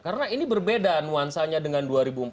karena ini berbeda nuansanya dengan dua ribu empat belas